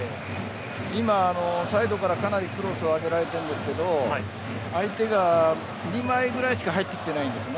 今、サイドからかなりクロスを上げられているんですが相手が２枚ぐらいしか入ってきてないんです。